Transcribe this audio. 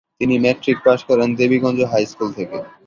তিনি matric pass করেন Debiganj high school থেকে।